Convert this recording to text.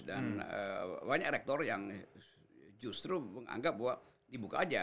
dan banyak rektor yang justru menganggap bahwa dibuka aja